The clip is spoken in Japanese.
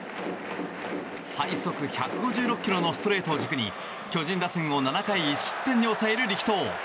最速１５６キロのストレートを軸に巨人打線を７回１失点に抑える力投。